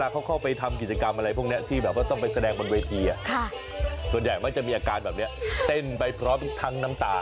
ก็ต้องไปแสดงบนเวทีอ่ะส่วนใหญ่มันจะมีอาการแบบนี้เต้นไปพร้อมทั้งน้ำตา